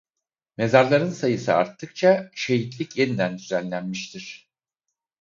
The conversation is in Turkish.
Mezarların sayısı arttıkça şehitlik yeniden düzenlenmiştir.